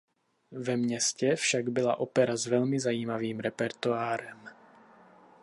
Ve městě však byla opera s velmi zajímavým repertoárem.